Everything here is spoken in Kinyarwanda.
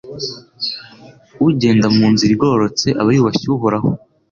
Ugenda mu nzira igororotse aba yubashye Uhoraho